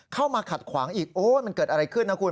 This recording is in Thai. เข้ามาขัดขวางอีกโอ้ยมันเกิดอะไรขึ้นนะคุณ